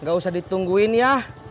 nggak usah ditungguin ya